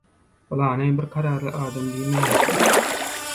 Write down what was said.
«Pylany bir kararly adam» diýmeýäris.